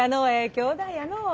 きょうだいやのう。